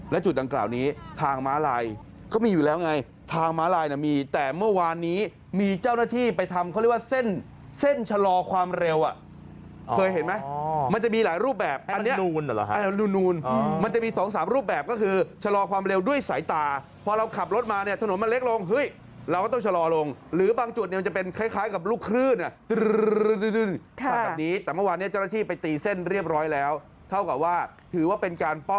และจุดดังกล่าวนี้ทางมาลัยก็มีอยู่แล้วไงทางมาลัยมีแต่เมื่อวานนี้มีเจ้าหน้าที่ไปทำเขาเรียกว่าเส้นเส้นชะลอความเร็วอ่ะเคยเห็นไหมมันจะมีหลายรูปแบบอันนี้มันจะมีสองสามรูปแบบก็คือชะลอความเร็วด้วยสายตาพอเราขับรถมาเนี่ยถนนมันเล็กลงเราก็ต้องชะลอลงหรือบางจุดมันจะเป็นคล้ายกับลูกครื้น